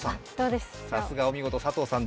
さすがお見事、佐藤さん